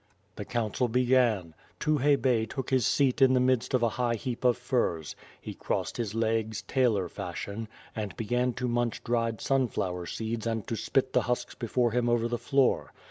The council began; Tukhay Bey took his seat in the midst of a high heap of furs. He crossed his legs, tailor fashion, and began to munch dried sunflower seeds and to spit the husks before him over the floor.